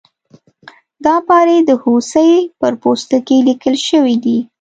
دا پارې د هوسۍ پر پوستکي لیکل شوي دي.